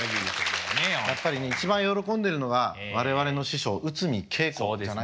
やっぱりね一番喜んでるのが我々の師匠内海桂子じゃないかなと。